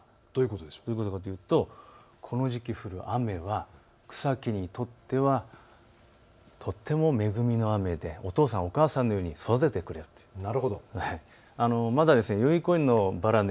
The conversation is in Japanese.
どういうことかというとこの時期降る雨は草木にとってはとっても恵みの雨でお父さん、お母さんのように育ててくれるということです。